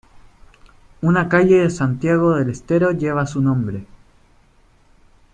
Una calle de Santiago del Estero lleva su nombre.